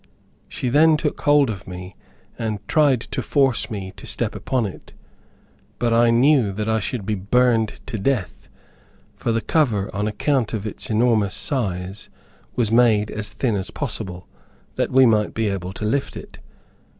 She then took hold of me, and tried to force me to step upon it, but I knew I should be burned to death, for the cover, on account of its enormous size was made as thin as possible, that we might be able to lift it.